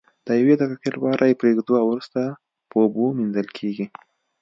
د یوې دقیقې لپاره یې پریږدو او وروسته په اوبو مینځل کیږي.